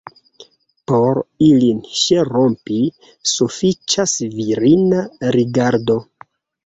Por ilin ŝelrompi, sufiĉas virina rigardo.